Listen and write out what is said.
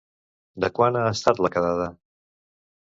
De quant ha estat la quedada?